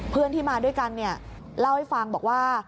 เพื่อนที่มาด้วยกันเนี่ยเล่าให้ฟังบอกว่า